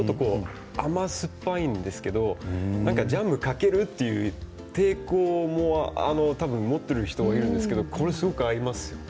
甘酸っぱいんですけれどジャムをかけるという抵抗を持っている人もいるんですけれどこれはすごく合います。